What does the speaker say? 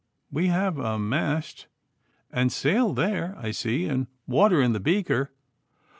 We have a mast and sail there, I see, and water in the beaker.